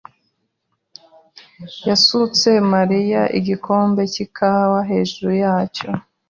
yasutse Mariya igikombe cy'ikawa hejuru yacyo.